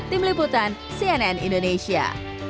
tim liputan cnn indonesia